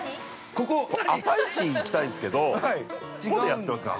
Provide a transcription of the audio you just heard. ◆ここ朝市、行きたいんすけどどこでやってますか。